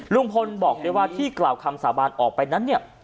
ลุงพลบอกด้วยว่าที่กล่าวคำสาบานออกไปนั้นเนี่ย